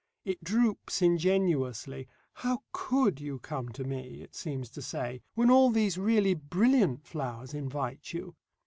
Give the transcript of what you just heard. It droops ingenuously. "How could you come to me," it seems to say, "when all these really brilliant flowers invite you?"